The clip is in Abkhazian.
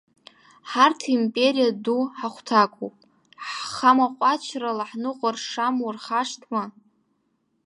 Ҳарҭ аимпериа ду ҳахәҭакуп, ҳхамакәачрала ҳныҟәар шамуа рхашҭма?